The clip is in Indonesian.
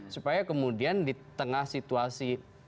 supaya kemudian di tengah situasi